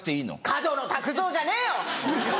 角野卓造じゃねえよ！